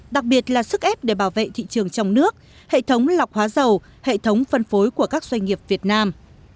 đặc biệt là sức ép để bảo vệ thị trường trong nước hệ thống lọc hóa dầu hệ thống phân phối của các doanh nghiệp việt nam